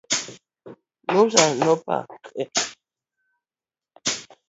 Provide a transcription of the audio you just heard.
Mesa no pek